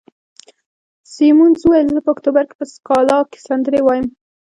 سیمونز وویل: زه په اکتوبر کې په سکالا کې سندرې وایم.